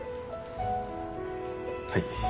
はい。